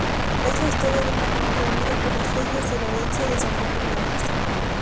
Es la historia de un amor prohibido por las leyes de la herencia desafortunadas.